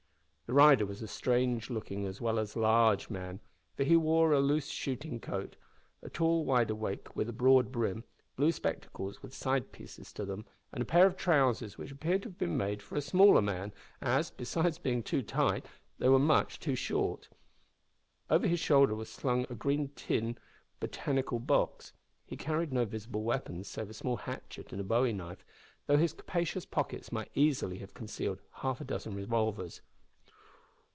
The rider was a strange looking as well as a large man, for he wore a loose shooting coat, a tall wideawake with a broad brim, blue spectacles with side pieces to them, and a pair of trousers which appeared to have been made for a smaller man, as, besides being too tight, they were much too short. Over his shoulder was slung a green tin botanical box. He carried no visible weapons save a small hatchet and a bowie knife, though his capacious pockets might easily have concealed half a dozen revolvers.